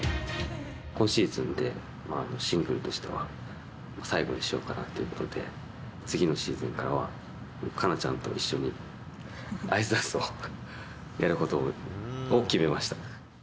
今シーズンで、シングルとしては最後にしようかなということで、次のシーズンからは、哉中ちゃんと一緒にアイスダンスをやることを決めました。